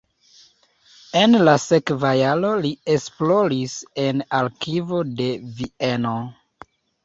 En la sekva jaro li esploris en arkivo de Vieno.